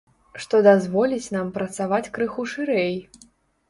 Што дазволіць нам працаваць крыху шырэй.